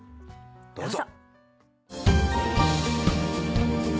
どうぞ。